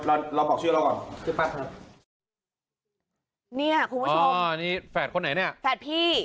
เราถึงแฝดพี่